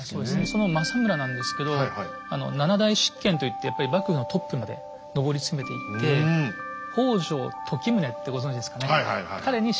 その政村なんですけど「７代執権」といって幕府のトップまで上り詰めていって北条時宗ってご存じですかね。